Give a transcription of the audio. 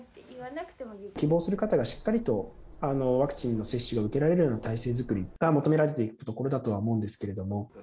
希望する方がしっかりとワクチンの接種を受けられるような体制作りが求められていくところだとは思うんですけども。